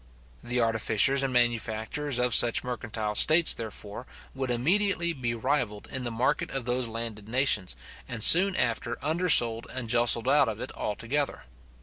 The artificers and manufacturers of such mercantile states, therefore, would immediately be rivalled in the market of those landed nations, and soon after undersold and justled out of it altogether.